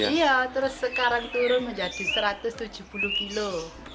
iya terus sekarang turun menjadi satu ratus tujuh puluh kilo